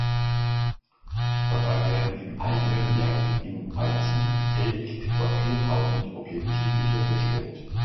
Dabei werden im eigenen Werk in Aizu täglich etwa viertausend Objektive hergestellt.